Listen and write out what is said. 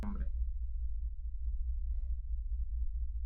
Está basado en la película del mismo nombre.